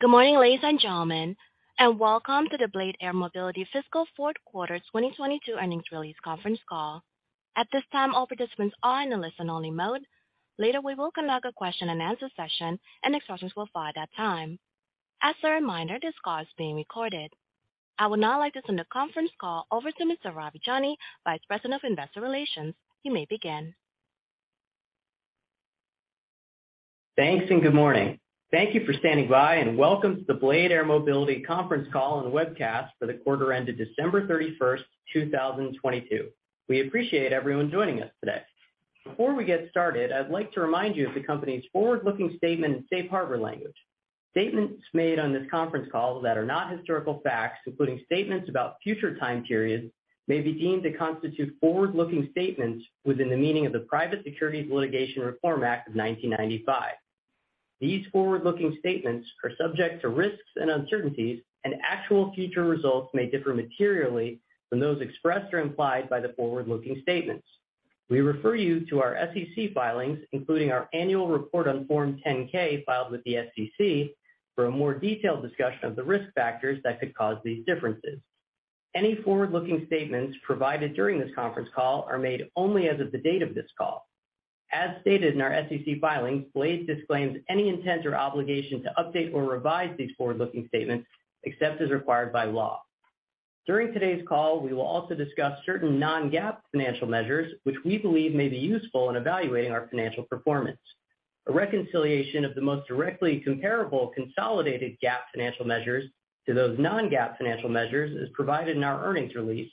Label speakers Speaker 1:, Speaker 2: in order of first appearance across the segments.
Speaker 1: Good morning, ladies and gentlemen, and welcome to the Blade Air Mobility fiscal fourth quarter 2022 earnings release conference call. At this time, all participants are in a listen-only mode. Later, we will conduct a question-and-answer session, and instructions will follow at that time. As a reminder, this call is being recorded. I would now like to send the conference call over to Mr. Ravi Jani, Vice President of Investor Relations. You may begin.
Speaker 2: Thanks. Good morning. Thank you for standing by, and welcome to the Blade Air Mobility conference call and webcast for the quarter ended December 31st, 2022. We appreciate everyone joining us today. Before we get started, I'd like to remind you of the company's forward-looking statement and safe harbor language. Statements made on this conference call that are not historical facts, including statements about future time periods, may be deemed to constitute forward-looking statements within the meaning of the Private Securities Litigation Reform Act of 1995. These forward-looking statements are subject to risks and uncertainties, and actual future results may differ materially from those expressed or implied by the forward-looking statements. We refer you to our SEC filings, including our Annual Report on Form 10-K filed with the SEC for a more detailed discussion of the risk factors that could cause these differences. Any forward-looking statements provided during this conference call are made only as of the date of this call. As stated in our SEC filings, Blade disclaims any intent or obligation to update or revise these forward-looking statements, except as required by law. During today's call, we will also discuss certain non-GAAP financial measures, which we believe may be useful in evaluating our financial performance. A reconciliation of the most directly comparable consolidated GAAP financial measures to those non-GAAP financial measures is provided in our earnings release.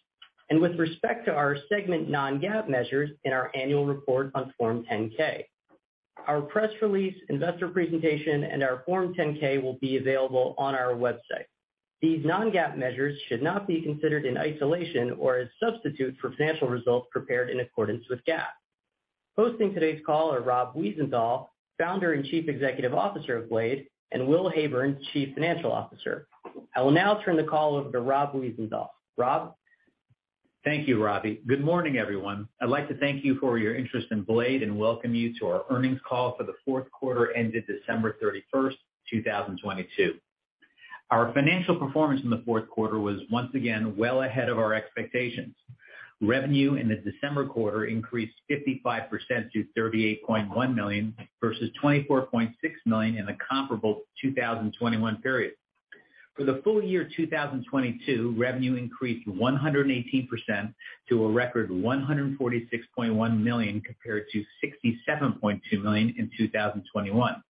Speaker 2: And with respect to our segment non-GAAP measures in our Annual Report on Form 10-K. Our press release, investor presentation, and our Form 10-K will be available on our website. These non-GAAP measures should not be considered in isolation or as substitute for financial results prepared in accordance with GAAP. Hosting today's call are Rob Wiesenthal, Founder and Chief Executive Officer of Blade, and Will Heyburn, Chief Financial Officer. I will now turn the call over to Rob Wiesenthal. Rob?
Speaker 3: Thank you, Ravi. Good morning, everyone. I'd like to thank you for your interest in Blade and welcome you to our earnings call for the fourth quarter ended December 31st, 2022. Our financial performance in the fourth quarter was once again well ahead of our expectations. Revenue in the December quarter increased 55% to $38.1 million versus $24.6 million in the comparable 2021 period. For the full year 2022, revenue increased 118% to a record $146.1 million compared to $67.2 million in 2021.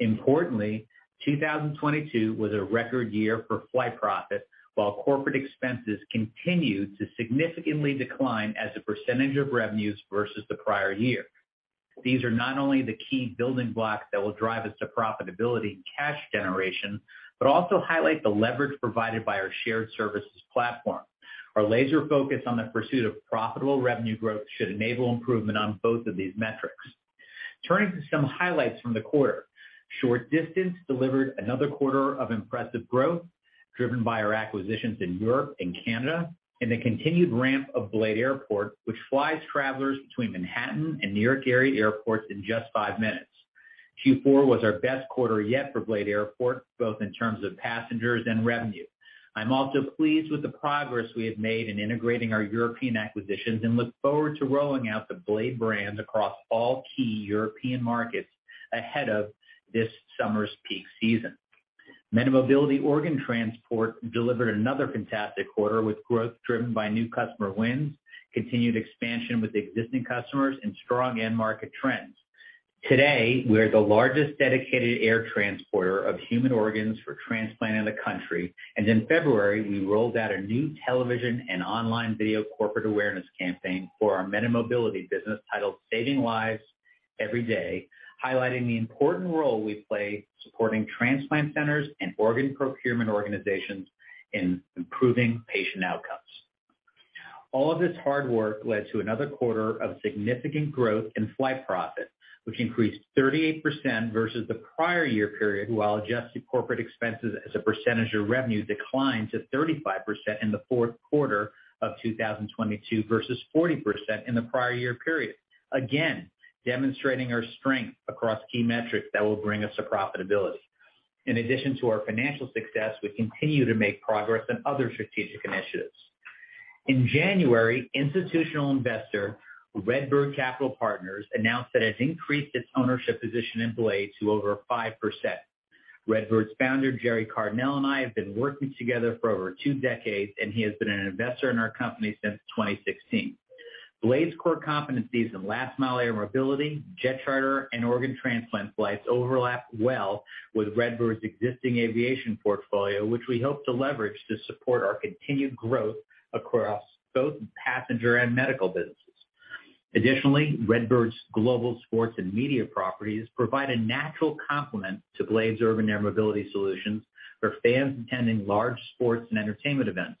Speaker 3: Importantly, 2022 was a record year for Flight Profit, while corporate expenses continued to significantly decline as a percentage of revenues versus the prior year. These are not only the key building blocks that will drive us to profitability and cash generation, but also highlight the leverage provided by our shared services platform. Our laser focus on the pursuit of profitable revenue growth should enable improvement on both of these metrics. Turning to some highlights from the quarter. Short distance delivered another quarter of impressive growth driven by our acquisitions in Europe and Canada, and the continued ramp of Blade Airport, which flies travelers between Manhattan and New York area airports in just five minutes. Q4 was our best quarter yet for Blade Airport, both in terms of passengers and revenue. I'm also pleased with the progress we have made in integrating our European acquisitions, and look forward to rolling out the Blade brand across all key European markets ahead of this summer's peak season. MediMobility organ transport delivered another fantastic quarter with growth driven by new customer wins, continued expansion with existing customers, and strong end market trends. Today, we are the largest dedicated air transporter of human organs for transplant in the country. In February, we rolled out a new television and online video corporate awareness campaign for our MediMobility business titled Saving Lives. Every Day., highlighting the important role we play supporting transplant centers and organ procurement organizations in improving patient outcomes. All of this hard work led to another quarter of significant growth in Flight Profit, which increased 38% versus the prior year period, while Adjusted Corporate Expenses as a percentage of revenue declined to 35% in the fourth quarter of 2022 versus 40% in the prior year period. Again, demonstrating our strength across key metrics that will bring us to profitability. In addition to our financial success, we continue to make progress on other strategic initiatives. In January, institutional investor RedBird Capital Partners announced that it has increased its ownership position in Blade to over 5%. RedBird's founder, Gerry Cardinale, and I have been working together for over two decades, and he has been an investor in our company since 2016. Blade's core competencies in last mile air mobility, jet charter, and organ transplant flights overlap well with RedBird's existing aviation portfolio, which we hope to leverage to support our continued growth across both passenger and medical businesses. Additionally, RedBird's global sports and media properties provide a natural complement to Blade's urban air mobility solutions for fans attending large sports and entertainment events.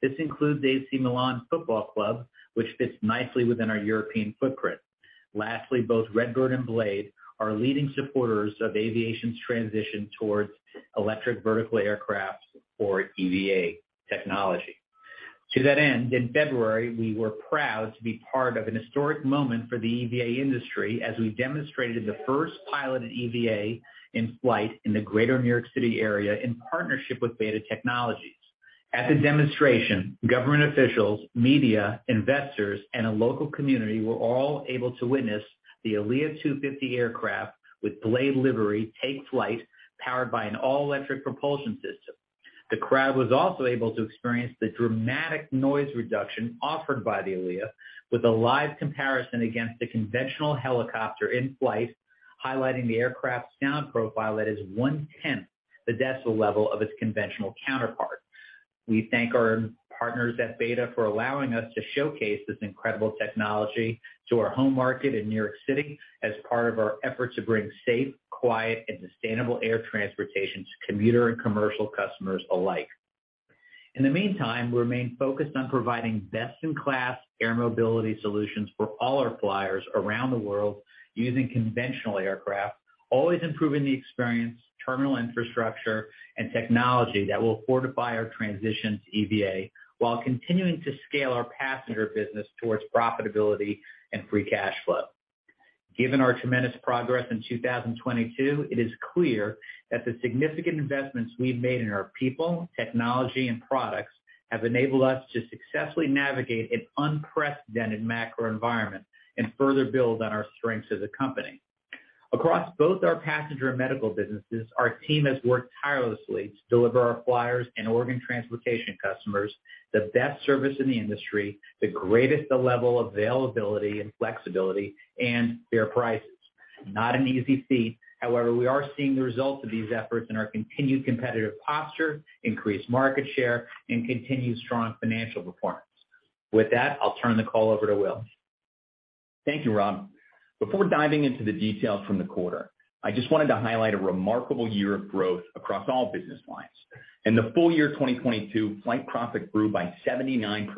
Speaker 3: This includes AC Milan Football Club, which fits nicely within our European footprint. Lastly, both RedBird and Blade are leading supporters of aviation's transition towards electric vertical aircraft or EVA technology. To that end, in February, we were proud to be part of an historic moment for the EVA industry as we demonstrated the first piloted EVA in flight in the Greater New York City area in partnership with Beta Technologies. At the demonstration, government officials, media, investors, and a local community were all able to witness the ALIA-250 aircraft with Blade livery take flight powered by an all-electric propulsion system. The crowd was also able to experience the dramatic noise reduction offered by the ALIA with a live comparison against the conventional helicopter in flight, highlighting the aircraft's sound profile that is 1/10 the decibel level of its conventional counterpart. We thank our partners at Beta for allowing us to showcase this incredible technology to our home market in New York City as part of our effort to bring safe, quiet, and sustainable air transportation to commuter and commercial customers alike. In the meantime, we remain focused on providing best-in-class air mobility solutions for all our flyers around the world using conventional aircraft, always improving the experience, terminal infrastructure, and technology that will fortify our transition to EVA while continuing to scale our passenger business towards profitability and free cash flow. Given our tremendous progress in 2022, it is clear that the significant investments we've made in our people, technology, and products have enabled us to successfully navigate an unprecedented macro environment and further build on our strengths as a company. Across both our passenger and medical businesses, our team has worked tirelessly to deliver our flyers and organ transplantation customers the best service in the industry, the greatest level of availability and flexibility, and fair prices. Not an easy feat. We are seeing the results of these efforts in our continued competitive posture, increased market share, and continued strong financial performance. With that, I'll turn the call over to Will.
Speaker 4: Thank you, Rob. Before diving into the details from the quarter, I just wanted to highlight a remarkable year of growth across all business lines. In the full year 2022, Flight Profit grew by 79%,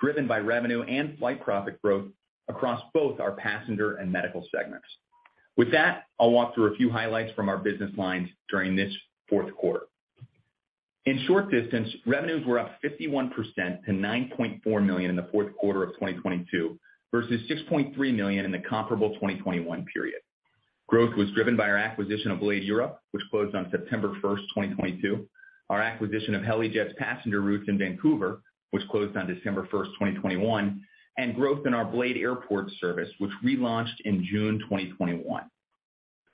Speaker 4: driven by revenue and Flight Profit growth across both our passenger and medical segments. I'll walk through a few highlights from our business lines during this fourth quarter. In short distance, revenues were up 51% to $9.4 million in the fourth quarter of 2022 versus $6.3 million in the comparable 2021 period. Growth was driven by our acquisition of Blade Europe, which closed on September 1st, 2022, our acquisition of Helijet's passenger route in Vancouver, which closed on December 1st, 2021, and growth in our Blade Airport service, which relaunched in June 2021.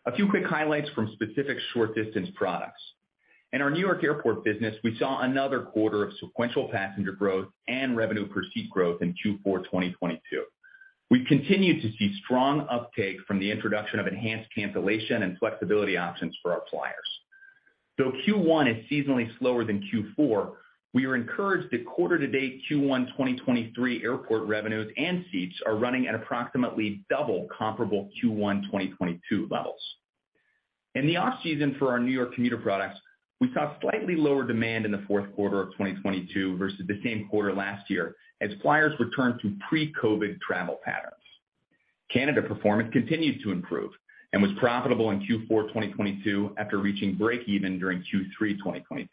Speaker 4: A few quick highlights from specific short-distance products. In our New York Airport business, we saw another quarter of sequential passenger growth and revenue per seat growth in Q4 2022. We continued to see strong uptake from the introduction of enhanced cancellation and flexibility options for our flyers. Though Q1 is seasonally slower than Q4, we are encouraged that quarter-to-date Q1 2023 airport revenues and seats are running at approximately double comparable Q1 2022 levels. In the off-season for our New York commuter products, we saw slightly lower demand in the fourth quarter of 2022 versus the same quarter last year as flyers returned to pre-COVID travel patterns. Canada performance continued to improve and was profitable in Q4 2022 after reaching break-even during Q3 2022.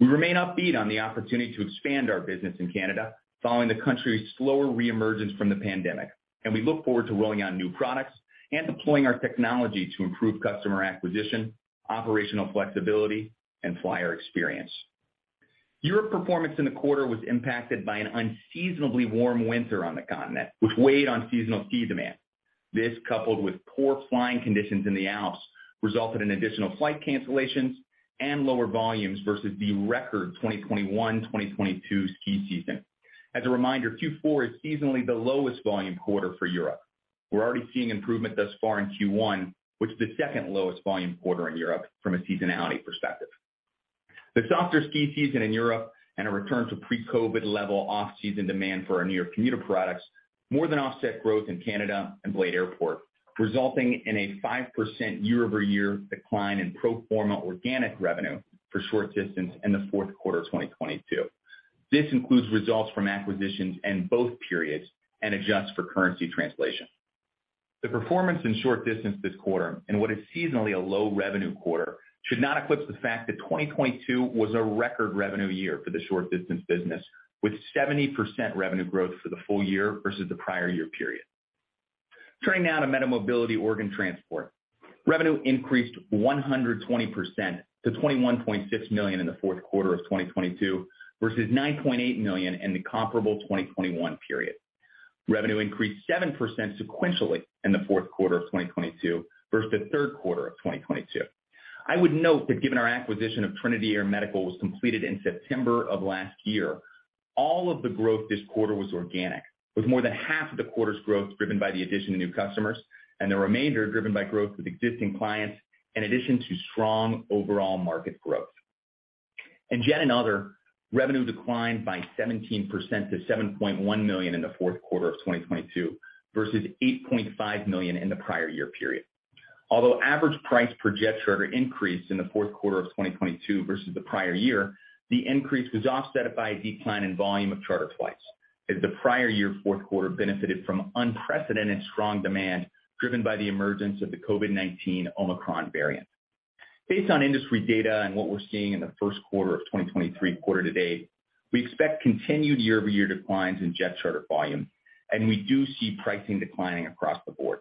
Speaker 4: We remain upbeat on the opportunity to expand our business in Canada following the country's slower reemergence from the pandemic. We look forward to rolling out new products and deploying our technology to improve customer acquisition, operational flexibility, and flyer experience. Europe performance in the quarter was impacted by an unseasonably warm winter on the continent, which weighed on seasonal ski demand. This, coupled with poor flying conditions in the Alps, resulted in additional flight cancellations and lower volumes versus the record 2021, 2022 ski season. As a reminder, Q4 is seasonally the lowest volume quarter for Europe. We're already seeing improvement thus far in Q1, which is the second lowest volume quarter in Europe from a seasonality perspective. The softer ski season in Europe and a return to pre-COVID level off-season demand for our New York commuter products more than offset growth in Canada and Blade Airport, resulting in a 5% year-over-year decline in pro forma organic revenue for short distance in the fourth quarter of 2022. This includes results from acquisitions in both periods and adjusts for currency translation. The performance in short distance this quarter, in what is seasonally a low revenue quarter, should not eclipse the fact that 2022 was a record revenue year for the short distance business, with 70% revenue growth for the full year versus the prior year period. Turning now to MediMobility organ transport. Revenue increased 120% to $21.6 million in the fourth quarter of 2022 versus $9.8 million in the comparable 2021 period. Revenue increased 7% sequentially in the fourth quarter of 2022 versus the third quarter of 2022. I would note that given our acquisition of Trinity Air Medical was completed in September of last year, all of the growth this quarter was organic, with more than half of the quarter's growth driven by the addition of new customers and the remainder driven by growth with existing clients in addition to strong overall market growth. In jet and other, revenue declined by 17% to $7.1 million in the fourth quarter of 2022 versus $8.5 million in the prior year period. Although average price per jet charter increased in the fourth quarter of 2022 versus the prior year, the increase was offset by a decline in volume of charter flights as the prior year fourth quarter benefited from unprecedented strong demand driven by the emergence of the COVID-19 Omicron variant. Based on industry data and what we're seeing in the first quarter of 2023 quarter to date, we expect continued year-over-year declines in jet charter volume, and we do see pricing declining across the board.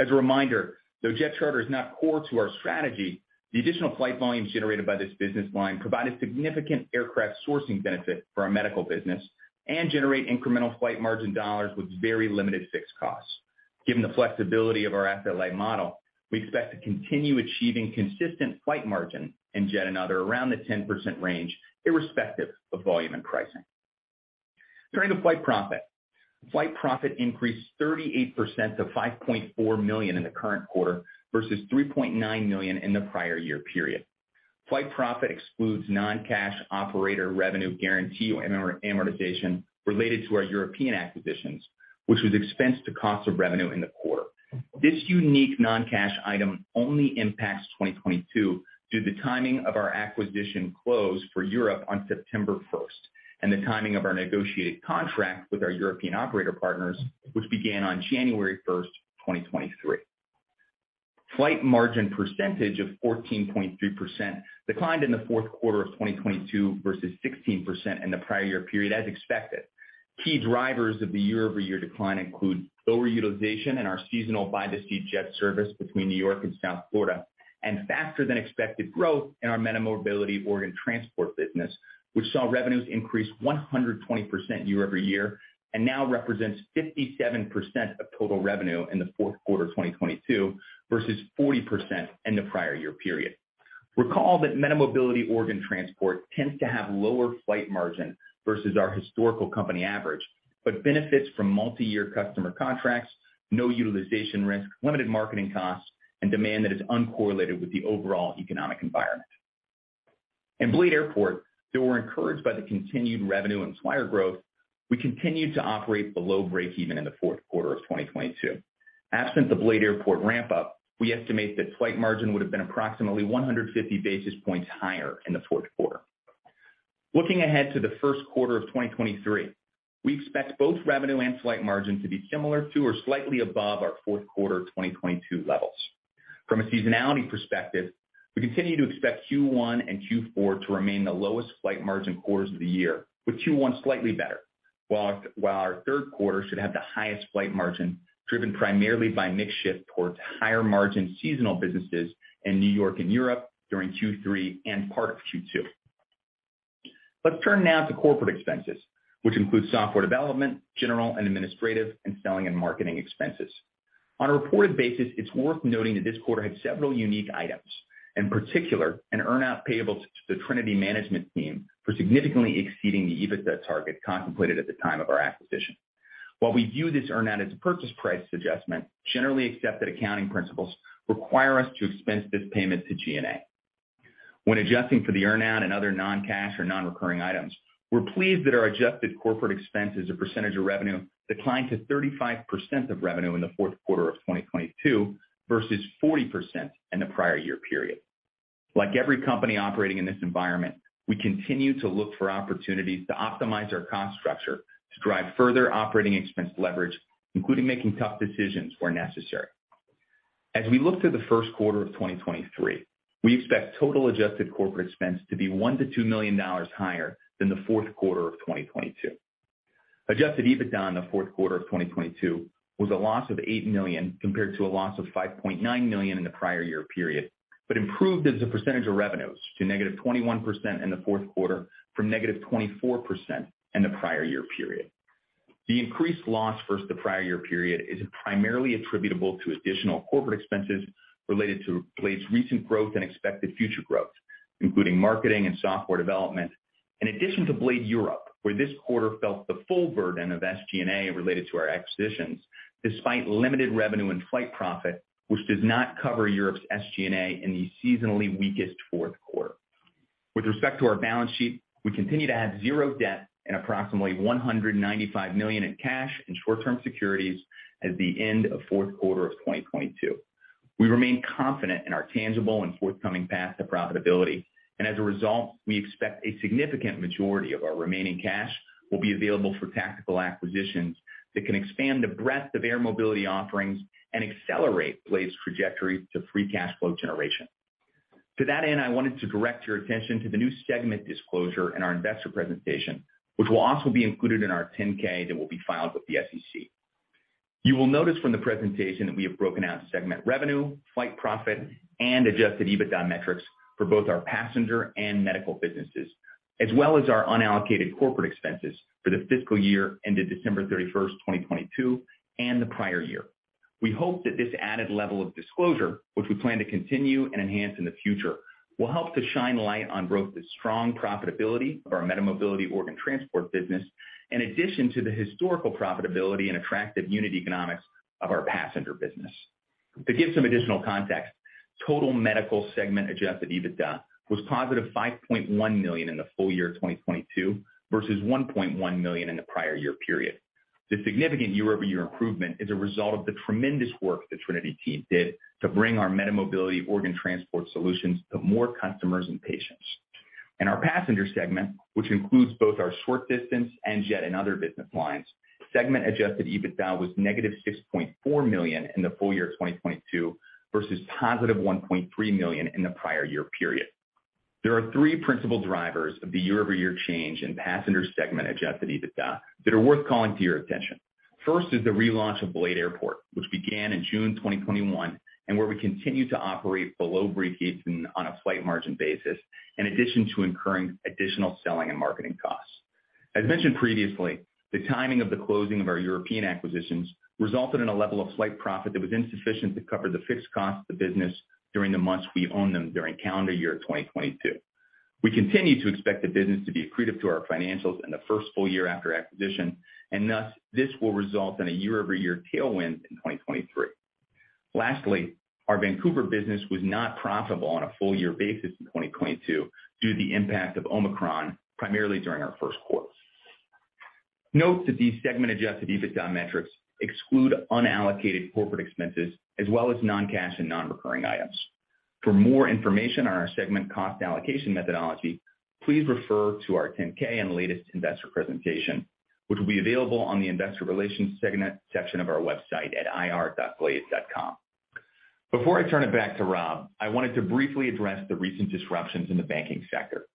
Speaker 4: As a reminder, though jet charter is not core to our strategy, the additional flight volumes generated by this business line provide a significant aircraft sourcing benefit for our medical business and generate incremental Flight Margin dollars with very limited fixed costs. Given the flexibility of our asset-light model, we expect to continue achieving consistent Flight Margin in jet and other around the 10% range, irrespective of volume and pricing. Turning to Flight Profit. Flight Profit increased 38% to $5.4 million in the current quarter versus $3.9 million in the prior year period. Flight Profit excludes non-cash operator revenue guarantee or amortization related to our European acquisitions, which was expensed to cost of revenue in the quarter. This unique non-cash item only impacts 2022 due to the timing of our acquisition close for Europe on September 1st and the timing of our negotiated contract with our European operator partners, which began on January 1st, 2023. Flight Margin percentage of 14.3% declined in the fourth quarter of 2022 versus 16% in the prior year period as expected. Key drivers of the year-over-year decline include lower utilization in our seasonal fly-to-ski jet service between New York and South Florida, and faster than expected growth in our MediMobility organ transport business, which saw revenues increase 120% year-over-year and now represents 57% of total revenue in the fourth quarter of 2022 versus 40% in the prior year period. Recall that MediMobility organ transport tends to have lower Flight Margin versus our historical company average, but benefits from multiyear customer contracts, no utilization risk, limited marketing costs, and demand that is uncorrelated with the overall economic environment. In Blade Airport, though we're encouraged by the continued revenue and flyer growth, we continue to operate below breakeven in the fourth quarter of 2022. Absent the Blade Airport ramp up, we estimate that Flight Margin would have been approximately 150 basis points higher in the fourth quarter. Looking ahead to the first quarter of 2023, we expect both revenue and Flight Margin to be similar to or slightly above our fourth quarter 2022 levels. From a seasonality perspective, we continue to expect Q1 and Q4 to remain the lowest Flight Margin quarters of the year, with Q1 slightly better, while our third quarter should have the highest Flight Margin, driven primarily by mix shift towards higher margin seasonal businesses in New York and Europe during Q3 and part of Q2. Let's turn now to corporate expenses, which includes software development, general and administrative, and selling and marketing expenses. On a reported basis, it's worth noting that this quarter had several unique items, in particular, an earn-out payable to the Trinity management team for significantly exceeding the EBITDA target contemplated at the time of our acquisition. While we view this earn out as a purchase price adjustment, generally accepted accounting principles require us to expense this payment to G&A. When adjusting for the earn out and other non-cash or non-recurring items, we're pleased that our Adjusted Corporate Expense as a percentage of revenue declined to 35% of revenue in the fourth quarter of 2022 versus 40% in the prior year period. Like every company operating in this environment, we continue to look for opportunities to optimize our cost structure to drive further operating expense leverage, including making tough decisions where necessary. As we look to the first quarter of 2023, we expect total Adjusted Corporate Expenses to be $1 million-$2 million higher than the fourth quarter of 2022. Adjusted EBITDA in the fourth quarter of 2022 was a loss of $8 million compared to a loss of $5.9 million in the prior year period, improved as a percentage of revenues to negative 21% in the fourth quarter from negative 24% in the prior year period. The increased loss versus the prior year period is primarily attributable to additional corporate expenses related to Blade's recent growth and expected future growth, including marketing and software development. In addition to Blade Europe, where this quarter felt the full burden of SG&A related to our acquisitions, despite limited revenue and Flight Profit, which does not cover Europe's SG&A in the seasonally weakest fourth quarter. With respect to our balance sheet, we continue to have zero debt and approximately $195 million in cash and short-term securities at the end of fourth quarter of 2022. We remain confident in our tangible and forthcoming path to profitability. As a result, we expect a significant majority of our remaining cash will be available for tactical acquisitions that can expand the breadth of air mobility offerings and accelerate Blade's trajectory to free cash flow generation. To that end, I wanted to direct your attention to the new segment disclosure in our investor presentation, which will also be included in our 10-K that will be filed with the SEC. You will notice from the presentation that we have broken out segment revenue, Flight Profit, and Adjusted EBITDA metrics for both our passenger and medical businesses, as well as our unallocated corporate expenses for the fiscal year ended December 31st, 2022, and the prior year. We hope that this added level of disclosure, which we plan to continue and enhance in the future, will help to shine light on both the strong profitability of our MediMobility organ transport business in addition to the historical profitability and attractive unit economics of our passenger business. To give some additional context, total medical segment Adjusted EBITDA was positive $5.1 million in the full year of 2022 versus $1.1 million in the prior year period. The significant year-over-year improvement is a result of the tremendous work the Trinity team did to bring our MediMobility organ transport solutions to more customers and patients. In our passenger segment, which includes both our short distance and jet and other business lines, segment Adjusted EBITDA was -$6.4 million in the full year 2022 versus +$1.3 million in the prior year period. There are three principal drivers of the year-over-year change in passenger segment Adjusted EBITDA that are worth calling to your attention. First is the relaunch of BLADE Airport, which began in June 2021, and where we continue to operate below breakeven on a Flight Margin basis, in addition to incurring additional selling and marketing costs. As mentioned previously, the timing of the closing of our European acquisitions resulted in a level of Flight Profit that was insufficient to cover the fixed cost of the business during the months we owned them during calendar year 2022. We continue to expect the business to be accretive to our financials in the first full year after acquisition, and thus this will result in a year-over-year tailwind in 2023. Lastly, our Vancouver business was not profitable on a full year basis in 2022 due to the impact of Omicron, primarily during our first quarter. Note that these segment Adjusted EBITDA metrics exclude unallocated corporate expenses as well as non-cash and non-recurring items. For more information on our segment cost allocation methodology, please refer to our 10-K and latest investor presentation, which will be available on the investor relations segment section of our website at ir.blade.com. Before I turn it back to Rob, I wanted to briefly address the recent disruptions in the banking sector.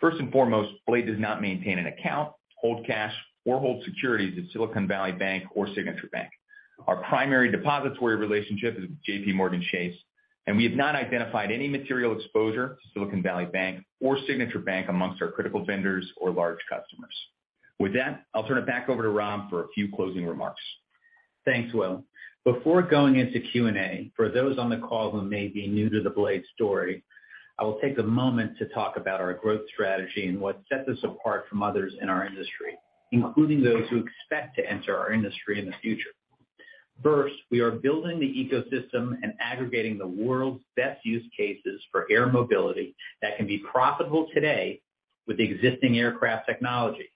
Speaker 4: First and foremost, Blade does not maintain an account, hold cash, or hold securities at Silicon Valley Bank or Signature Bank. Our primary depository relationship is JPMorgan Chase, and we have not identified any material exposure to Silicon Valley Bank or Signature Bank amongst our critical vendors or large customers. With that, I'll turn it back over to Rob for a few closing remarks.
Speaker 3: Thanks, Will. Before going into Q&A, for those on the call who may be new to the Blade story, I will take a moment to talk about our growth strategy and what sets us apart from others in our industry, including those who expect to enter our industry in the future. First, we are building the ecosystem and aggregating the world's best use cases for air mobility that can be profitable today with existing aircraft technology.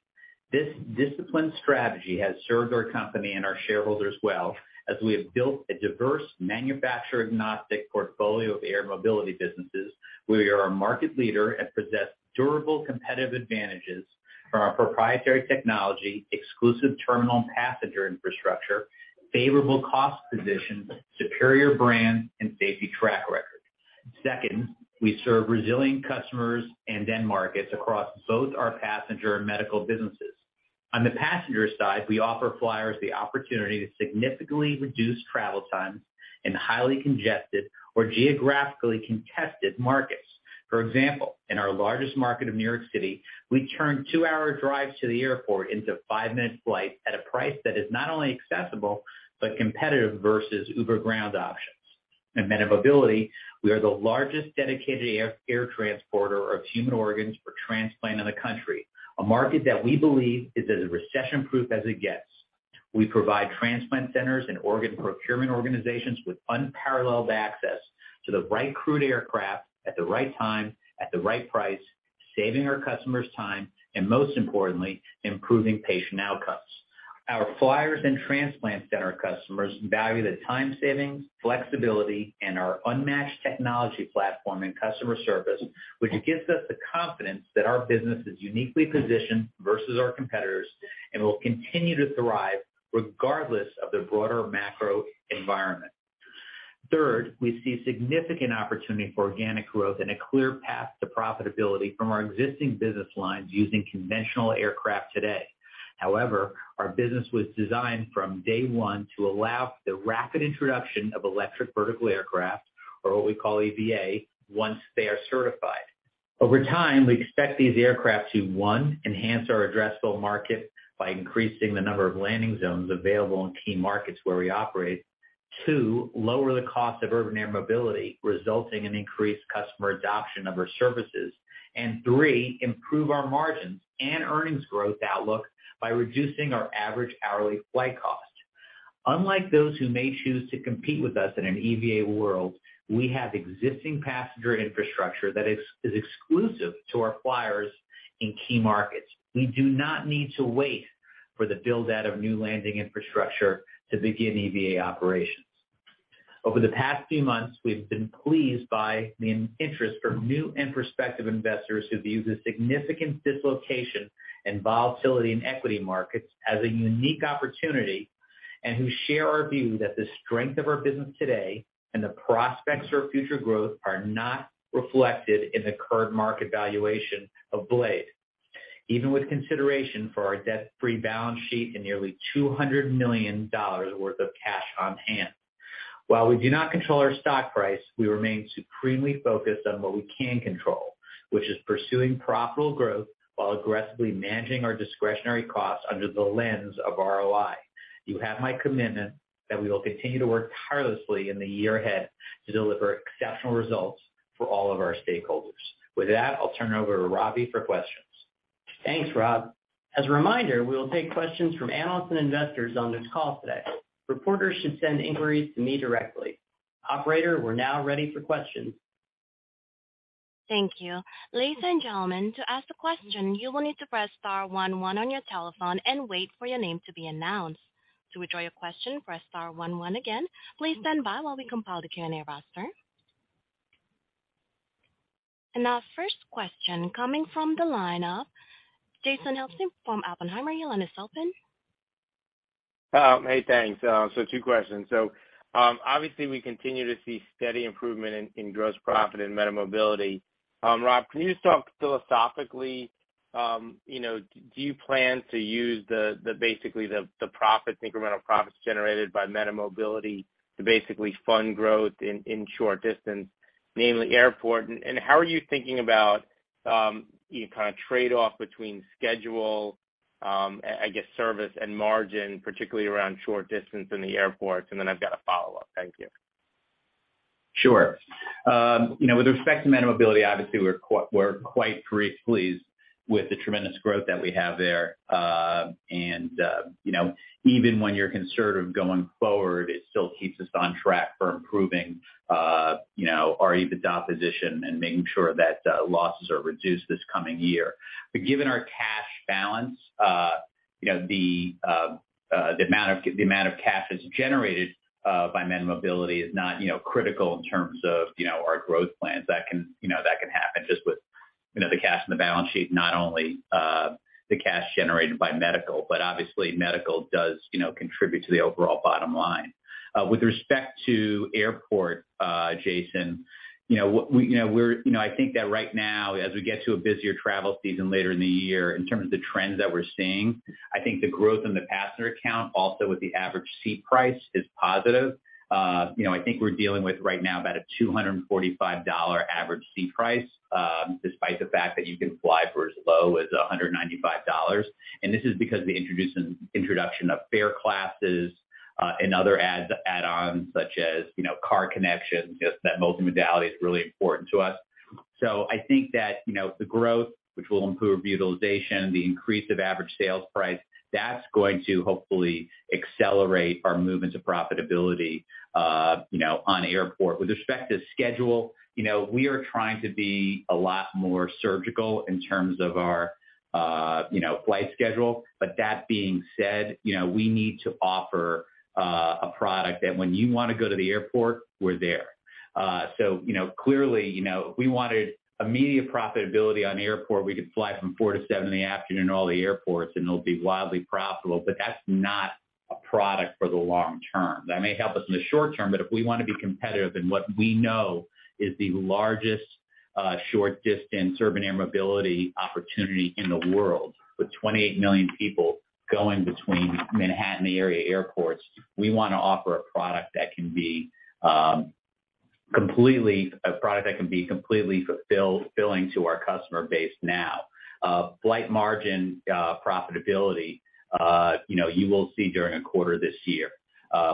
Speaker 3: This disciplined strategy has served our company and our shareholders well as we have built a diverse manufacturer-agnostic portfolio of air mobility businesses where we are a market leader and possess durable competitive advantages from our proprietary technology, exclusive terminal and passenger infrastructure, favorable cost position, superior brand, and safety track record. Second, we serve resilient customers and end markets across both our passenger and medical businesses. On the passenger side, we offer flyers the opportunity to significantly reduce travel times in highly congested or geographically contested markets. For example, in our largest market of New York City, we turn two-hour drives to the airport into five-minute flights at a price that is not only accessible, but competitive versus Uber ground options. In MediMobility, we are the largest dedicated air transporter of human organs for transplant in the country, a market that we believe is as recession-proof as it gets. We provide transplant centers and organ procurement organizations with unparalleled access to the right crewed aircraft at the right time, at the right price, saving our customers time and most importantly, improving patient outcomes. Our flyers and transplant center customers value the time saving, flexibility, and our unmatched technology platform and customer service, which gives us the confidence that our business is uniquely positioned versus our competitors and will continue to thrive regardless of the broader macro environment. Third, we see significant opportunity for organic growth and a clear path to profitability from our existing business lines using conventional aircraft today. However, our business was designed from day one to allow the rapid introduction of electric vertical aircraft, or what we call EVA, once they are certified. Over time, we expect these aircraft to, one, enhance our addressable market by increasing the number of landing zones available in key markets where we operate. Two, lower the cost of urban air mobility, resulting in increased customer adoption of our services. Three, improve our margins and earnings growth outlook by reducing our average hourly flight cost. Unlike those who may choose to compete with us in an EVA world, we have existing passenger infrastructure that is exclusive to our flyers in key markets. We do not need to wait for the build-out of new landing infrastructure to begin EVA operations. Over the past few months, we've been pleased by the interest from new and prospective investors who view the significant dislocation and volatility in equity markets as a unique opportunity, and who share our view that the strength of our business today and the prospects for future growth are not reflected in the current market valuation of Blade, even with consideration for our debt-free balance sheet and nearly $200 million worth of cash on hand. While we do not control our stock price, we remain supremely focused on what we can control, which is pursuing profitable growth while aggressively managing our discretionary costs under the lens of ROI. You have my commitment that we will continue to work tirelessly in the year ahead to deliver exceptional results for all of our stakeholders. With that, I'll turn it over to Ravi for questions.
Speaker 2: Thanks, Rob. As a reminder, we will take questions from analysts and investors on this call today. Reporters should send inquiries to me directly. Operator, we're now ready for questions.
Speaker 1: Thank you. Ladies and gentlemen, to ask a question, you will need to press star one one on your telephone and wait for your name to be announced. To withdraw your question, press star one one again. Please stand by while we compile the Q&A roster. Our first question coming from the line of Jason Helfstein from Oppenheimer. Your line is open.
Speaker 5: Hey, thanks. Two questions. Obviously, we continue to see steady improvement in gross profit in MediMobility. Rob, can you just talk philosophically, you know, do you plan to use the basically the incremental profits generated by MediMobility to basically fund growth in short distance, namely airport? How are you thinking about, you know, kind of trade-off between schedule, I guess service and margin, particularly around short distance in the airports? I've got a follow-up. Thank you.
Speaker 3: Sure. you know, with respect to MediMobility, obviously we're quite pleased with the tremendous growth that we have there. You know, even when you're conservative going forward, it still keeps us on track for improving, you know, our EBITDA position and making sure that losses are reduced this coming year. Given our cash balance, you know, the amount of cash that's generated by MediMobility is not, you know, critical in terms of, you know, our growth plans. That can, you know, that can happen just with, you know, the cash in the balance sheet, not only the cash generated by medical, but obviously medical does, you know, contribute to the overall bottom line. With respect to airport, Jason, you know, we're, you know, I think that right now, as we get to a busier travel season later in the year, in terms of the trends that we're seeing, I think the growth in the passenger count also with the average seat price is positive. You know, I think we're dealing with right now about a $245 average seat price, despite the fact that you can fly for as low as $195. This is because the introduction of fare classes, and other add-ons such as, you know, car connection, just that multi-modality is really important to us. I think that, you know, the growth, which will improve utilization, the increase of average sales price, that's going to hopefully accelerate our movements of profitability, you know, on airport. With respect to schedule, you know, we are trying to be a lot more surgical in terms of our, you know, flight schedule. That being said, you know, we need to offer a product that when you wanna go to the airport, we're there. Clearly, you know, if we wanted immediate profitability on airport, we could fly from four to seven in the afternoon to all the airports, and it'll be wildly profitable. That's not a product for the long term. That may help us in the short term, if we wanna be competitive in what we know is the largest, short distance urban air mobility opportunity in the world, with 28 million people going between Manhattan area airports, we wanna offer a product that can be completely fulfilling to our customer base now. Flight Margin profitability, you know, you will see during a quarter this year.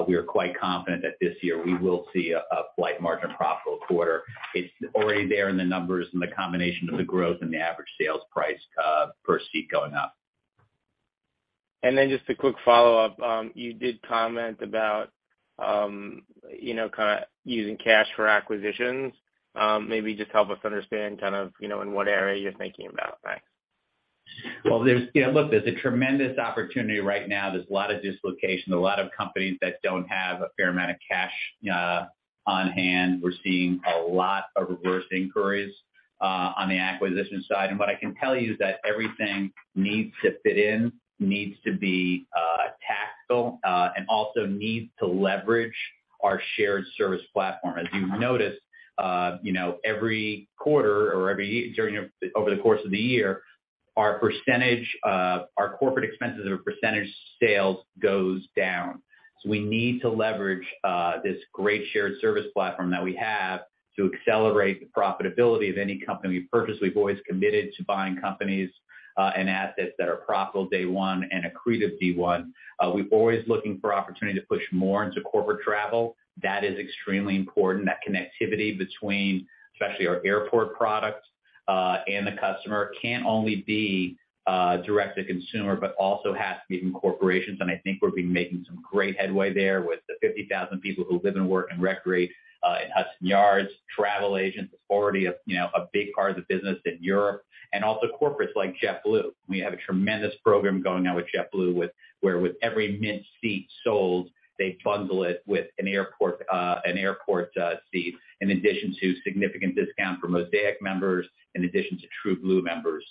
Speaker 3: We are quite confident that this year we will see a Flight Margin profitable quarter. It's already there in the numbers and the combination of the growth and the average sales price per seat going up.
Speaker 5: Just a quick follow-up. You did comment about, you know, kind of using cash for acquisitions. Maybe just help us understand kind of, you know, in what area you're thinking about. Thanks.
Speaker 3: Well, Yeah, look, there's a tremendous opportunity right now. There's a lot of dislocation, a lot of companies that don't have a fair amount of cash on hand. We're seeing a lot of reverse inquiries on the acquisition side. What I can tell you is that everything needs to fit in, needs to be tactical and also needs to leverage our shared service platform. As you've noticed, you know, every quarter or every year over the course of the year, our percentage, our corporate expenses as a percentage sales goes down. We need to leverage this great shared service platform that we have to accelerate the profitability of any company we purchase. We've always committed to buying companies and assets that are profitable day one and accretive day one. We're always looking for opportunity to push more into corporate travel. That is extremely important. That connectivity between, especially our airport products, and the customer, can only be direct to consumer, but also has to be in corporations. I think we've been making some great headway there with the 50,000 people who live and work and recreate in Hudson Yards. Travel agents is already a, you know, a big part of the business in Europe. Also corporates like JetBlue. We have a tremendous program going on with JetBlue, where with every Mint seat sold, they bundle it with an airport, an airport seat, in addition to significant discount for Mosaic members, in addition to TrueBlue members.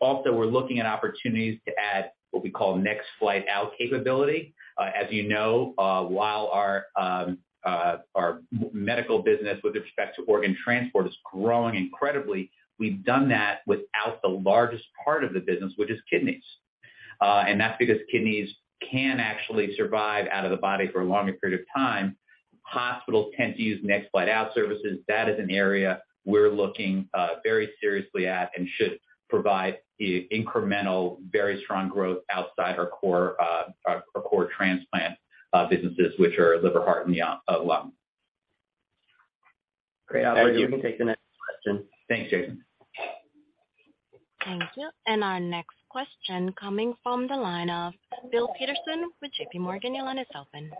Speaker 3: Also, we're looking at opportunities to add what we call Next Flight Out capability. As you know, while our medical business with respect to organ transport is growing incredibly, we've done that without the largest part of the business, which is kidneys. That's because kidneys can actually survive out of the body for a longer period of time. Hospitals tend to use Next Flight Out services. That is an area we're looking very seriously at and should provide incremental, very strong growth outside our core transplant businesses, which are liver, heart and lung.
Speaker 2: Great. Operator, we can take the next question.
Speaker 3: Thanks, Jason.
Speaker 1: Thank you. Our next question coming from the line of Bill Peterson with JPMorgan. Your line is open.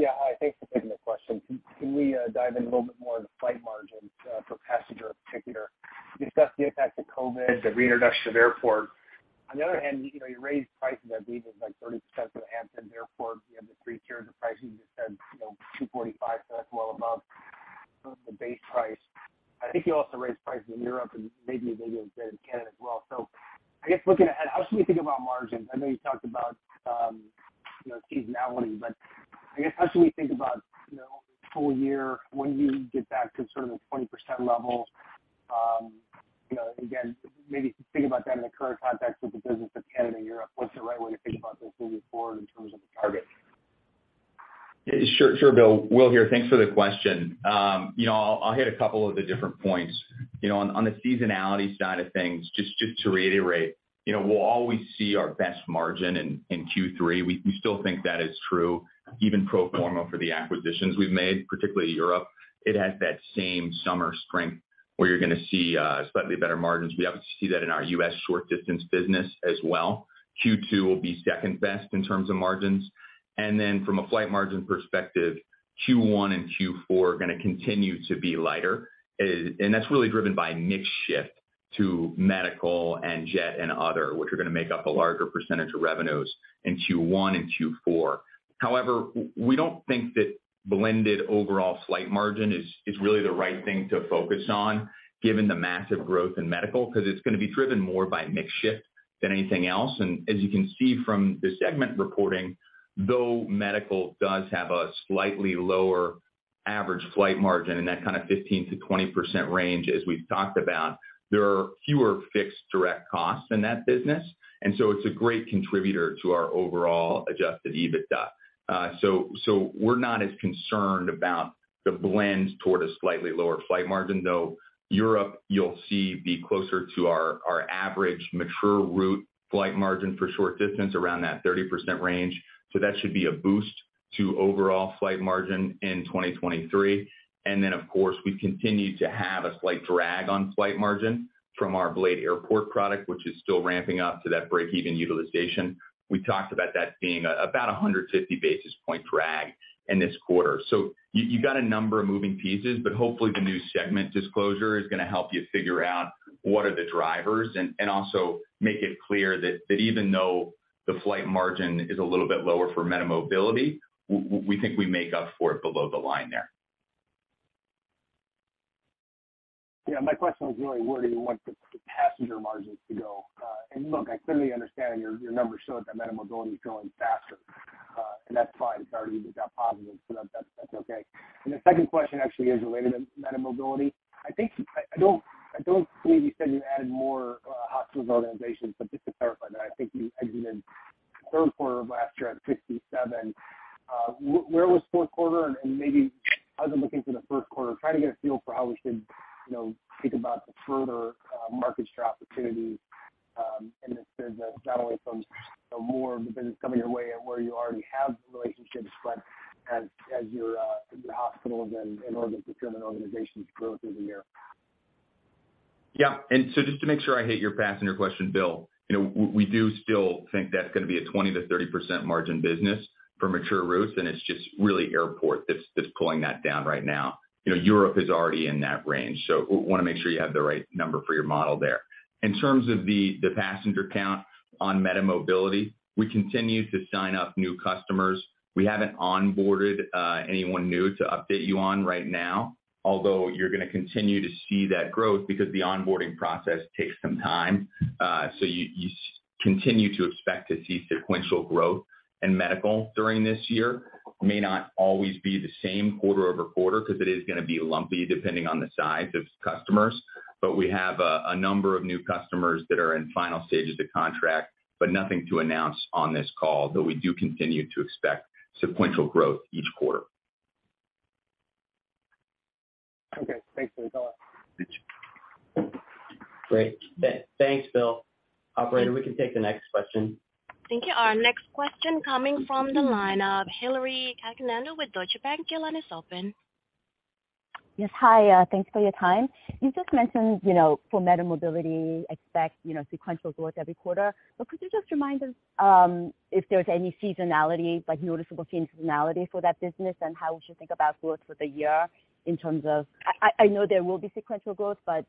Speaker 6: Hi, thanks for taking the question. Can we dive in a little bit more on the Flight Margin for passenger in particular? You discussed the impact of COVID, the reintroduction of airport. On the other hand, you know, you raised prices. I believe it was like 30% for the Hampton Airport. You have the three tiers of pricing. You said, you know, $245, so that's well above the base price. I think you also raised prices in Europe and maybe you said in Canada as well. I guess looking ahead, how should we think about margins? I know you talked about, you know, seasonality, but I guess how should we think about, you know, full year when you get back to sort of the 20% level? you know, again, maybe think about that in the current context with the business of Canada and Europe. What's the right way to think about this moving forward in terms of the target?
Speaker 4: Sure, sure, Bill. Will here. Thanks for the question. You know, I'll hit a couple of the different points. You know, on the seasonality side of things, just to reiterate, you know, we'll always see our best margin in Q3. We still think that is true even pro forma for the acquisitions we've made, particularly Blade Europe. It has that same summer strength where you're gonna see slightly better margins. We happen to see that in our U.S. short distance business as well. Q2 will be second best in terms of margins. From a Flight Margin perspective, Q1 and Q4 are gonna continue to be lighter. That's really driven by mix shift to medical and jet and other, which are gonna make up a larger percentage of revenues in Q1 and Q4. we don't think that blended overall Flight Margin is really the right thing to focus on given the massive growth in medical, 'cause it's gonna be driven more by mix shift than anything else. As you can see from the segment reporting, though medical does have a slightly lower average Flight Margin in that kind of 15%-20% range as we've talked about, there are fewer fixed direct costs in that business, and so it's a great contributor to our overall Adjusted EBITDA. we're not as concerned about the blend toward a slightly lower Flight Margin, though Europe you'll see be closer to our average mature route Flight Margin for short distance around that 30% range. that should be a boost to overall Flight Margin in 2023. Of course, we continue to have a slight drag on Flight Margin from our Blade Airport product, which is still ramping up to that break-even utilization. We talked about that being about 150 basis point drag in this quarter. You got a number of moving pieces, but hopefully the new segment disclosure is gonna help you figure out what are the drivers and also make it clear that even though the Flight Margin is a little bit lower for MediMobility, we think we make up for it below the line there.
Speaker 6: Yeah. My question was really where do you want the passenger margins to go? Look, I clearly understand your numbers show that MediMobility is growing faster, and that's fine. It's already got positive, so that's okay. The second question actually is related to MediMobility. I don't believe you said you added more hospitals organizations, but just to clarify that, I think you ended in the third quarter of last year at 57. Where was fourth quarter? Maybe as I'm looking to the first quarter, trying to get a feel for how we should, you know, think about the further market share opportunities, in this business, not only from, you know, more of the business coming your way and where you already have the relationships, but as your hospitals and organ procurement organizations grow through the year.
Speaker 4: Yeah. Just to make sure I hit your passenger question, Bill, you know, we do still think that's gonna be a 20%-30% margin business for mature routes, and it's just really Blade Airport that's pulling that down right now. You know, Blade Europe is already in that range, wanna make sure you have the right number for your model there. In terms of the passenger count on MediMobility, we continue to sign up new customers. We haven't onboarded anyone new to update you on right now, although you're gonna continue to see that growth because the onboarding process takes some time. You continue to expect to see sequential growth in medical during this year. May not always be the same quarter-over-quarter 'cause it is gonna be lumpy depending on the size of customers. We have, a number of new customers that are in final stages of contract, but nothing to announce on this call, though we do continue to expect sequential growth each quarter.
Speaker 6: Okay. Thanks, Will.
Speaker 2: Great. Thanks, Bill. Operator, we can take the next question.
Speaker 1: Thank you. Our next question coming from the line of Hillary Cacanando with Deutsche Bank. Your line is open.
Speaker 7: Yes. Hi. Thanks for your time. You just mentioned, you know, for MediMobility expect, you know, sequential growth every quarter. Could you just remind us if there's any seasonality, like noticeable seasonality for that business and how we should think about growth for the year in terms of I know there will be sequential growth, but,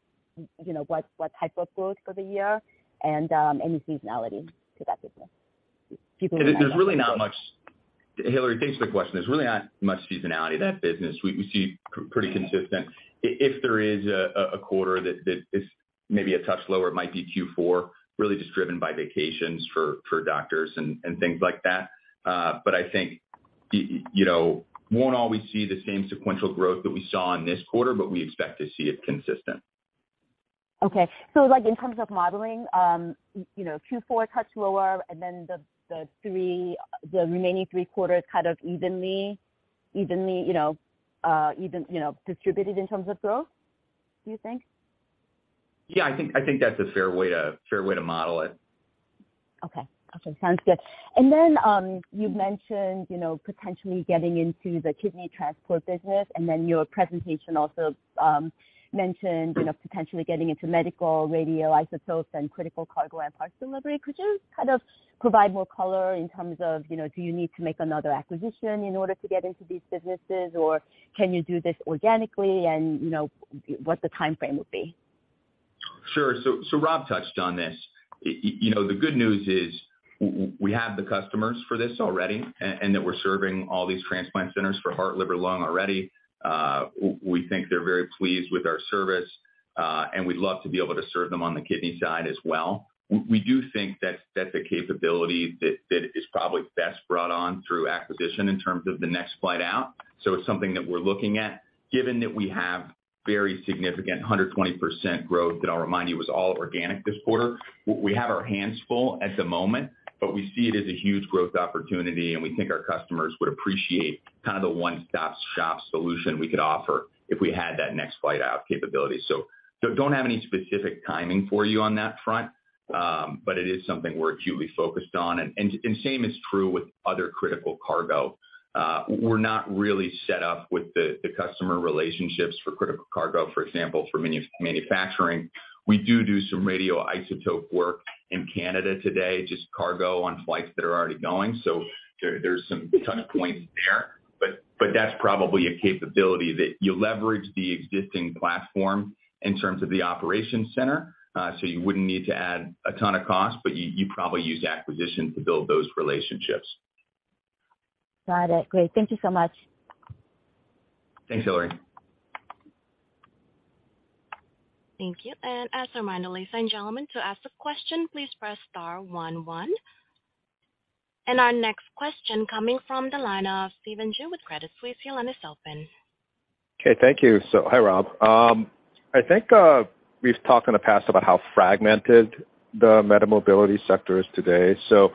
Speaker 7: you know, what type of growth for the year and any seasonality to that business?
Speaker 4: Hi Hillary, thanks for the question. There's really not much seasonality to that business. We see pretty consistent. If there is a quarter that is maybe a touch lower, it might be Q4, really just driven by vacations for doctors and things like that. I think, you know, won't always see the same sequential growth that we saw in this quarter, but we expect to see it consistent.
Speaker 7: Okay. Like in terms of modeling, you know, Q4 touch lower and then the remaining three quarters kind of evenly, you know, even, you know, distributed in terms of growth, do you think?
Speaker 4: Yeah, I think that's a fair way to model it.
Speaker 7: Okay. Okay, sounds good. You mentioned, you know, potentially getting into the kidney transport business, and then your presentation also mentioned, you know, potentially getting into medical radioisotopes and critical cargo and parts delivery. Could you kind of provide more color in terms of, you know, do you need to make another acquisition in order to get into these businesses? Or can you do this organically and you know, what the timeframe would be?
Speaker 4: Sure. Rob touched on this. You know, the good news is we have the customers for this already and that we're serving all these transplant centers for heart, liver, lung already. We think they're very pleased with our service, and we'd love to be able to serve them on the kidney side as well. We do think that's a capability that is probably best brought on through acquisition in terms of the Next Flight Out. It's something that we're looking at. Given that we have very significant 120% growth that I'll remind you was all organic this quarter, we have our hands full at the moment, but we see it as a huge growth opportunity, and we think our customers would appreciate kind of the one-stop shop solution we could offer if we had that Next Flight Out capability. Don't have any specific timing for you on that front, but it is something we're acutely focused on. Same is true with other critical cargo. We're not really set up with the customer relationships for critical cargo, for example, for manufacturing. We do some radioisotope work in Canada today, just cargo on flights that are already going. There's some ton of points there, but that's probably a capability that you leverage the existing platform in terms of the operations center. You wouldn't need to add a ton of cost, but you probably use acquisition to build those relationships.
Speaker 7: Got it. Great. Thank you so much.
Speaker 4: Thanks, Hillary.
Speaker 1: Thank you. As a reminder, ladies and gentlemen, to ask a question, please press star one one. Our next question coming from the line of Stephen Ju with Credit Suisse. Your line is open.
Speaker 8: Okay. Thank you. Hi, Rob. I think we've talked in the past about how fragmented the MediMobility sector is today. You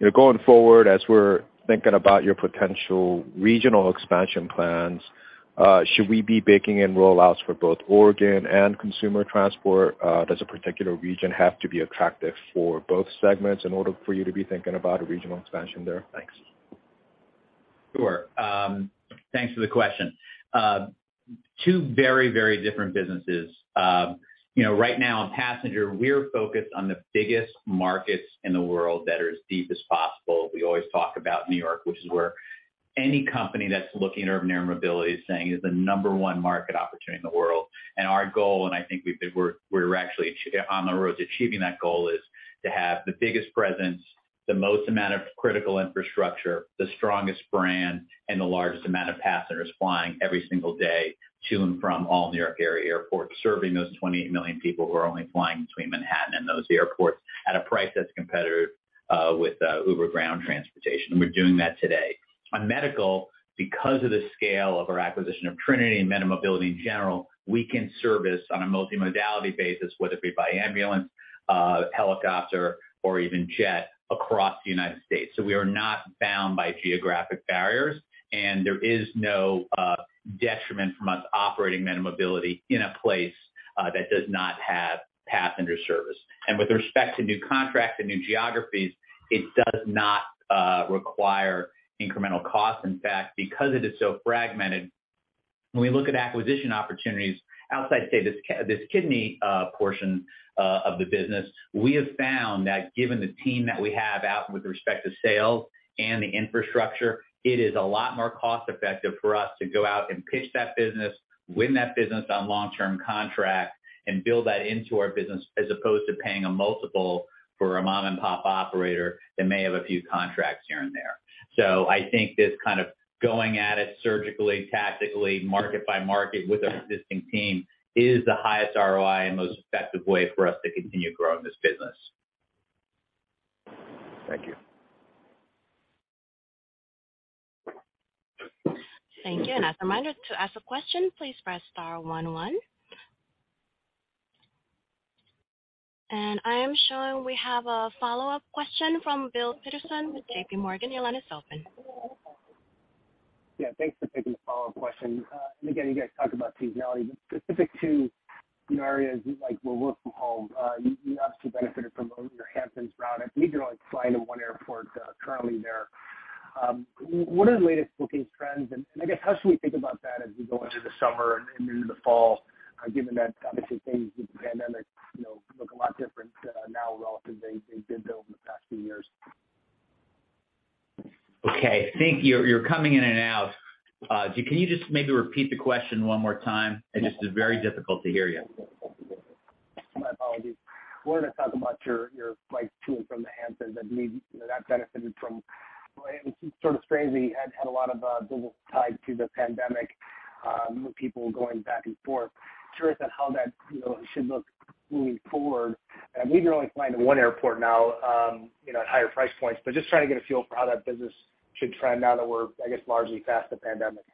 Speaker 8: know, going forward, as we're thinking about your potential regional expansion plans, should we be baking in roll-outs for both organ and consumer transport? Does a particular region have to be attractive for both segments in order for you to be thinking about a regional expansion there? Thanks.
Speaker 3: Sure. Thanks for the question. Two very, very different businesses. You know, right now in passenger, we're focused on the biggest markets in the world that are as deep as possible. We always talk about New York, which is where any company that's looking at urban air mobility is saying is the number one market opportunity in the world. Our goal, and I think we're actually on the road to achieving that goal, is to have the biggest presence, the most amount of critical infrastructure, the strongest brand, and the largest amount of passengers flying every single day to and from all New York area airports, serving those 20 million people who are only flying between Manhattan and those airports at a price that's competitive with Uber ground transportation. We're doing that today. On medical, because of the scale of our acquisition of Trinity and MediMobility in general, we can service on a multimodality basis, whether it be by ambulance, helicopter or even jet across the United States. We are not bound by geographic barriers, and there is no detriment from us operating MediMobility in a place that does not have passenger service. With respect to new contracts and new geographies, it does not require incremental costs. Because it is so fragmented, when we look at acquisition opportunities outside, say, this kidney portion of the business. We have found that given the team that we have out with respect to sales and the infrastructure, it is a lot more cost effective for us to go out and pitch that business, win that business on long-term contract and build that into our business as opposed to paying a multiple for a mom-and-pop operator that may have a few contracts here and there. I think this kind of going at it surgically, tactically, market by market with our existing team is the highest ROI and most effective way for us to continue growing this business.
Speaker 8: Thank you.
Speaker 1: Thank you. As a reminder, to ask a question, please press star one one. I am showing we have a follow-up question from Bill Peterson with JPMorgan. Your line is open.
Speaker 6: Yeah, thanks for taking a follow-up question. Again, you guys talk about seasonality, but specific to, you know, areas like where work from home, you obviously benefited from your Hamptons route. I believe you're only flying to one airport currently there. What are the latest booking trends? I guess how should we think about that as we go into the summer and into the fall, given that obviously things with the pandemic, you know, look a lot different now relative they've been built over the past few years?
Speaker 3: I think you're coming in and out. Can you just maybe repeat the question one more time? It's just very difficult to hear you.
Speaker 6: My apologies. Wanted to talk about your flights to and from the Hamptons. I believe, you know, that benefited from, sort of strangely had a lot of business tied to the pandemic, with people going back and forth. Curious on how that, you know, should look moving forward. I believe you're only flying to one airport now, you know, at higher price points, but just trying to get a feel for how that business should trend now that we're, I guess, largely past the pandemic.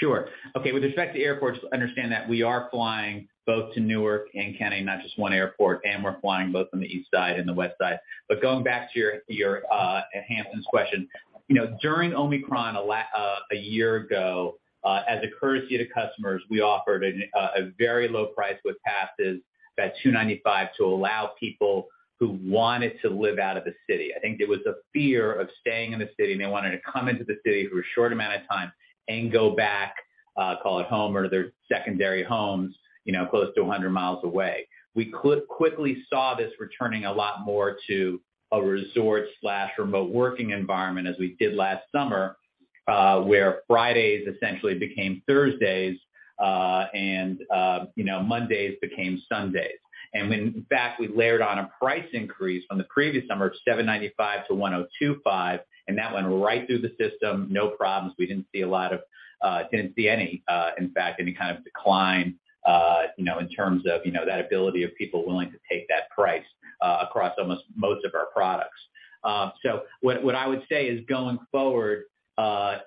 Speaker 3: Sure. Okay. With respect to airports, understand that we are flying both to Newark and Kennedy, not just one airport, and we're flying both on the east side and the west side. Going back to your Hamptons question. You know, during Omicron a year ago, As a courtesy to customers, we offered a very low price with passes that $295 to allow people who wanted to live out of the city. I think there was a fear of staying in the city, and they wanted to come into the city for a short amount of time and go back, call it home or their secondary homes, you know, close to 100 mi away. We quickly saw this returning a lot more to a resort/remote working environment as we did last summer, where Fridays essentially became Thursdays, and, you know, Mondays became Sundays. In fact, we layered on a price increase from the previous summer of $795-$1,025, and that went right through the system, no problems. We didn't see a lot of, didn't see any, in fact, any kind of decline, you know, in terms of, you know, that ability of people willing to take that price, across almost most of our products. What I would say is going forward,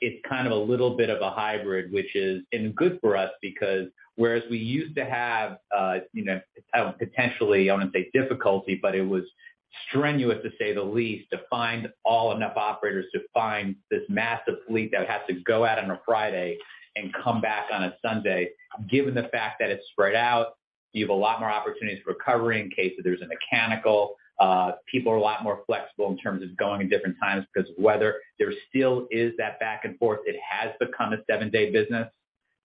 Speaker 3: it's kind of a little bit of a hybrid, which is, good for us because whereas we used to have, you know, potentially, I wouldn't say difficulty, but it was strenuous to say the least, to find all enough operators to find this massive fleet that would have to go out on a Friday and come back on a Sunday. Given the fact that it's spread out, you have a lot more opportunities for recovery in case if there's a mechanical. People are a lot more flexible in terms of going at different times because of weather. There still is that back and forth. It has become a seven-day business.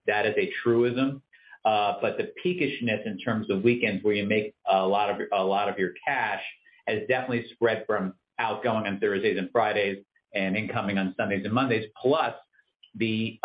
Speaker 3: That is a truism. The peakishness in terms of weekends where you make a lot of your cash has definitely spread from outgoing on Thursdays and Fridays and incoming on Sundays and Mondays. The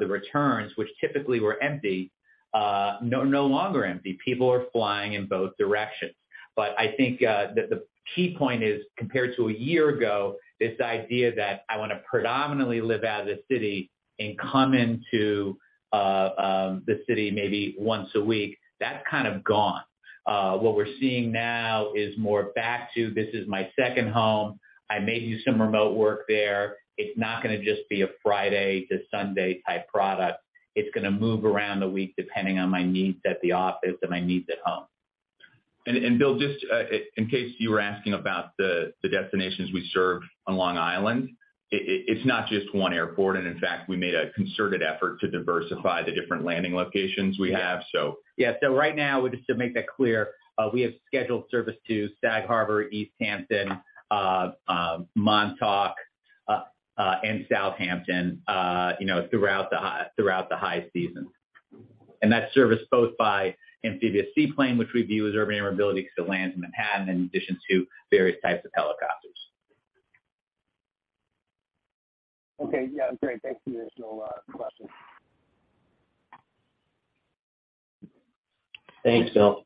Speaker 3: returns which typically were empty, no longer empty. People are flying in both directions. I think that the key point is, compared to a year ago, this idea that I want to predominantly live out of the city and come into the city maybe once a week, that's kind of gone. What we're seeing now is more back to, this is my second home. I may do some remote work there. It's not gonna just be a Friday to Sunday type product. It's gonna move around the week depending on my needs at the office and my needs at home.
Speaker 4: Bill, just, in case you were asking about the destinations we serve on Long Island, it's not just one airport. In fact, we made a concerted effort to diversify the different landing locations we have, so.
Speaker 3: Yeah. Right now, just to make that clear, we have scheduled service to Sag Harbor, East Hampton, Montauk, and Southampton, you know, throughout the high season. That's serviced both by amphibious seaplane, which we view as our amenability because it lands in Manhattan in addition to various types of helicopters.
Speaker 6: Okay. Yeah. Great. Thanks for the additional questions.
Speaker 3: Thanks, Bill.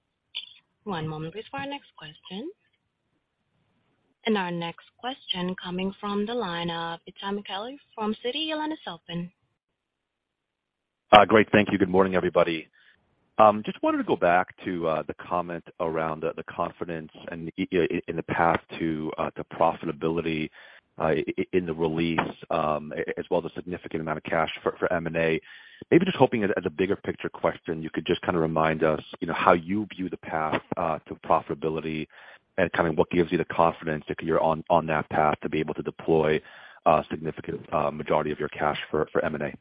Speaker 1: One moment please for our next question. Our next question coming from the line of Itay Michaeli from Citi. Your line is open.
Speaker 9: Great. Thank you. Good morning, everybody. Just wanted to go back to the comment around the confidence and in the path to profitability, in the release, as well as a significant amount of cash for M&A. Maybe just hoping as a bigger picture question, you could just kind of remind us, you know, how you view the path to profitability and kind of what gives you the confidence if you're on that path to be able to deploy a significant majority of your cash for M&A.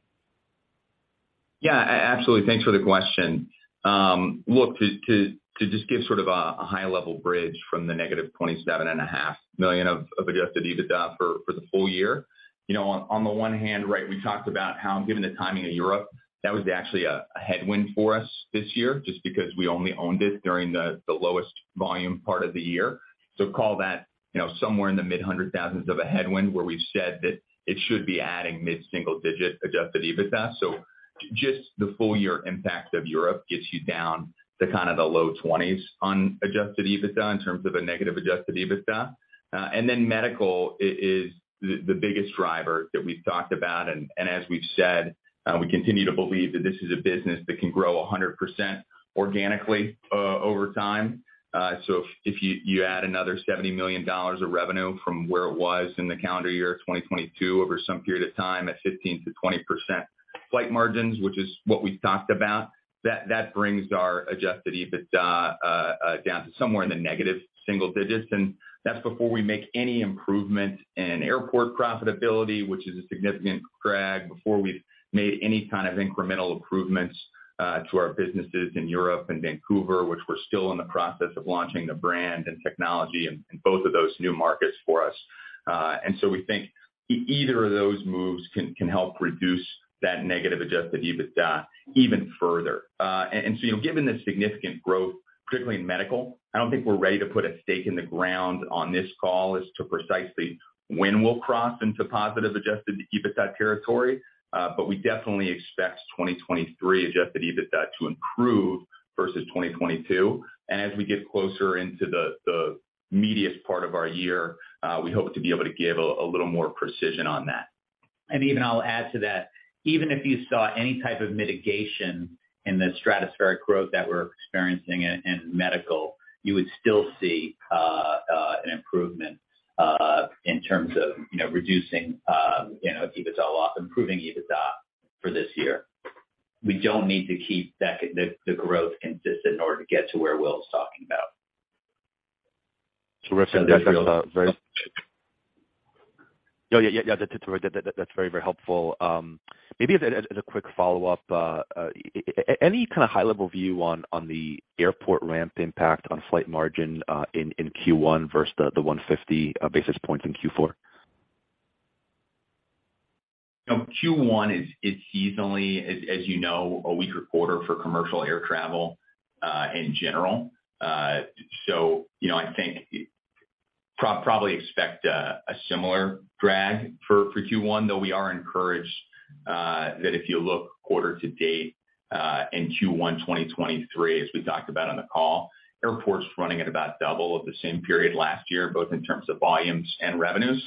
Speaker 4: Yeah. Absolutely. Thanks for the question. Look, to just give sort of a high level bridge from the -$27.5 million of Adjusted EBITDA for the full year. You know, on the one hand, right, we talked about how given the timing of Blade Europe, that was actually a headwind for us this year, just because we only owned it during the lowest volume part of the year. Call that, you know, somewhere in the mid $100,000s of a headwind where we've said that it should be adding mid-single digit Adjusted EBITDA. Just the full year impact of Blade Europe gets you down to kind of the low 20s on Adjusted EBITDA in terms of a negative Adjusted EBITDA. Medical is the biggest driver that we've talked about. As we've said, we continue to believe that this is a business that can grow 100% organically, over time. So if you add another $70 million of revenue from where it was in the calendar year 2022 over some period of time at 15%-20% Flight margins, which is what we've talked about, that brings our Adjusted EBITDA down to somewhere in the negative single digits. That's before we make any improvement in airport profitability, which is a significant drag, before we've made any kind of incremental improvements to our businesses in Europe and Vancouver, which we're still in the process of launching the brand and technology in both of those new markets for us. We think either of those moves can help reduce that negative Adjusted EBITDA even further. You know, given the significant growth, particularly in medical, I don't think we're ready to put a stake in the ground on this call as to precisely when we'll cross into positive Adjusted EBITDA territory, but we definitely expect 2023 Adjusted EBITDA to improve versus 2022. As we get closer into the meatiest part of our year, we hope to be able to give a little more precision on that.
Speaker 3: Even I'll add to that. Even if you saw any type of mitigation in the stratospheric growth that we're experiencing in medical, you would still see an improvement in terms of, you know, reducing, you know, EBITDA or improving EBITDA for this year. We don't need to keep the growth consistent in order to get to where Will's talking about.
Speaker 9: Terrific. That's.
Speaker 3: That's real.
Speaker 9: Yeah, yeah, that's right. That's very, very helpful. Maybe as a quick follow-up, any kind of high-level view on the airport ramp impact on Flight Margin in Q1 versus the 150 basis points in Q4?
Speaker 4: Q1 is seasonally as you know, a weaker quarter for commercial air travel in general. I think probably expect a similar drag for Q1, though we are encouraged that if you look quarter to date in Q1 2023, as we talked about on the call, airport's running at about double of the same period last year, both in terms of volumes and revenues.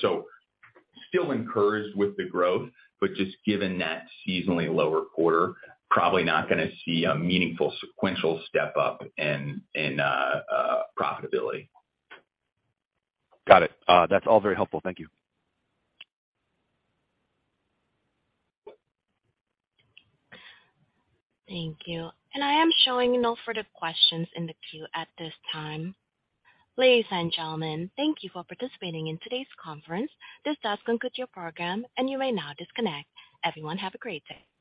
Speaker 4: Still encouraged with the growth, just given that seasonally lower quarter, probably not gonna see a meaningful sequential step up in profitability.
Speaker 9: Got it. That's all very helpful. Thank you.
Speaker 1: Thank you. I am showing no further questions in the queue at this time. Ladies and gentlemen, thank you for participating in today's conference. This does conclude your program, and you may now disconnect. Everyone, have a great day.